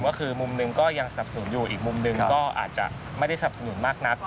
ก็คือมุมหนึ่งก็ยังสนับสนุนอยู่อีกมุมหนึ่งก็อาจจะไม่ได้สนับสนุนมากนัก